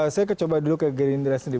saya coba dulu ke gerindra sendiri